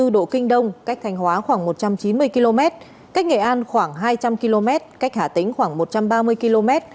một trăm linh bảy bốn độ kinh đông cách thành hóa khoảng một trăm chín mươi km cách nghệ an khoảng hai trăm linh km cách hà tĩnh khoảng một trăm ba mươi km